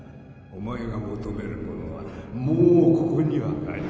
お前が求めるものはもうここにはない